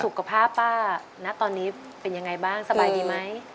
สุขภาพป้าณตอนนี้เป็นยังไงบ้างสบายดีไหม